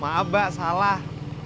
maaf mbak salah